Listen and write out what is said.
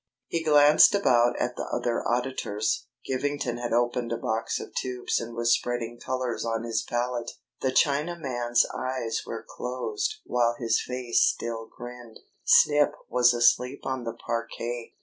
He glanced about at the other auditors. Givington had opened a box of tubes and was spreading colours on his palette. The Chinaman's eyes were closed while his face still grinned. Snip was asleep on the parquet.